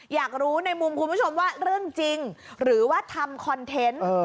อยากรู้ในมุมคุณผู้ชมว่าเรื่องจริงหรือว่าทำคอนเทนต์